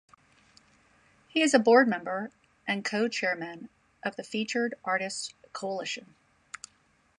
He is a board member and co-chairman of the Featured Artists' Coalition.